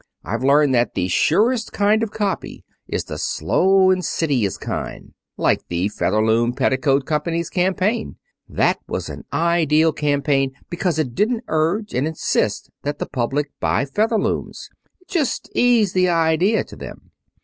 I've learned that the surest kind of copy is the slow, insidious kind, like the Featherloom Petticoat Company's campaign. That was an ideal campaign because it didn't urge and insist that the public buy Featherlooms. It just eased the idea to them.